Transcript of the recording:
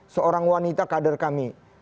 seorang wanita kader kami